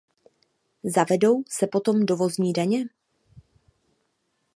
Zavedou se potom dovozní daně?